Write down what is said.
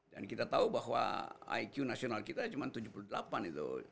dan kita tahu bahwa iq nasional kita cuma tujuh puluh delapan itu